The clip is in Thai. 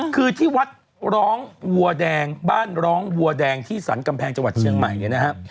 คือที่วัดร้องวัวแดงบ้านร้องวัวแดงที่สรรกำแพงจังหวัดเชียงใหม่เนี่ยนะฮะ